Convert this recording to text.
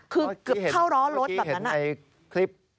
คือเกือบเข้าร้อรถแบบนั้นอ่ะเมื่อกี้เห็นไอ้คลิป